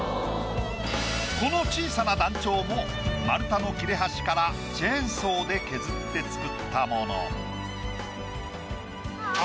この小さな団長も丸太の切れ端からチェーンソーで削って作ったもの。